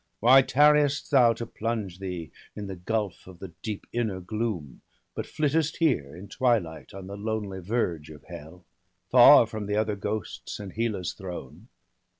Why tarriest thou to plunge thee in the gulph Of the deep inner gloom, but flittest here. In twilight, on the lonely verge of Hell, Far from the other ghosts, and Hela's throne.?